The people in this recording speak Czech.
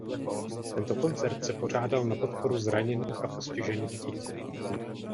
Tento koncert se pořádal na podporu zraněných a postižených dětí.